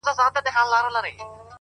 بلا وهلی يم له سترگو نه چي اور غورځي!!